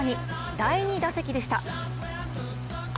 第２打席でした。